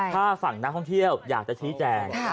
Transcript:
ถ้าฝั่งนักท่องเที่ยวอยากจะชี้แจง